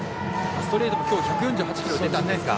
ストレートもきょう１４８キロ出たんですが。